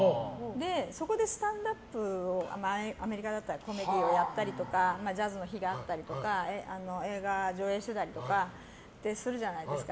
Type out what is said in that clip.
そこでスタンドアップをアメリカだったらコメディーをやったりとかジャズの日があったりとか映画上映してたりとかってするじゃないですか。